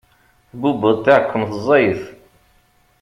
Tbubbeḍ taɛkemt ẓẓayet.